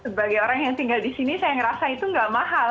sebagai orang yang tinggal di sini saya ngerasa itu nggak mahal